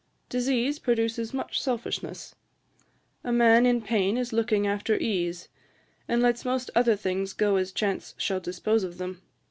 Disease produces much selfishness. A man in pain is looking after ease; and lets most other things go as chance shall dispose of them.